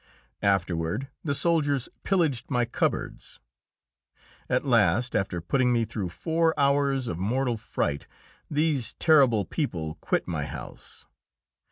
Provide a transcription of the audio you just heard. Afterward, the soldiers pillaged my cupboards. At last, after putting me through four hours of mortal fright, these terrible people quit my house.